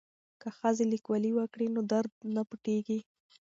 که ښځې لیکوالي وکړي نو درد نه پټیږي.